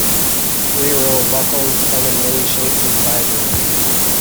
Scleral buckles come in many shapes and sizes.